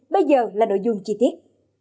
bây giờ là nội dung chi tiết